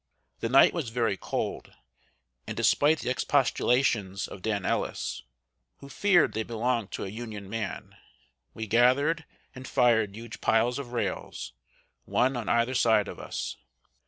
The night was very cold, and despite the expostulations of Dan Ellis, who feared they belonged to a Union man, we gathered and fired huge piles of rails, one on either side of us.